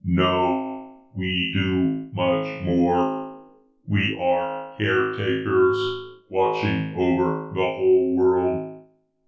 "No, we do much more. We are caretakers, watching over the whole world.